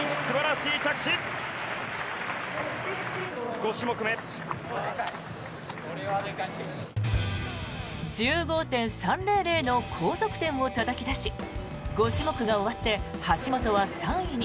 ５種目目。１５．３００の高得点をたたき出し５種目が終わって橋本は３位に。